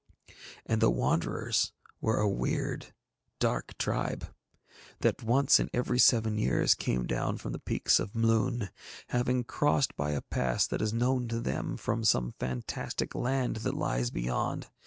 And the Wanderers were a weird, dark tribe, that once in every seven years came down from the peaks of Mloon, having crossed by a pass that is known to them from some fantastic land that lies beyond.